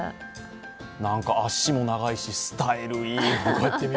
なんか、足も長いしスタイルいい。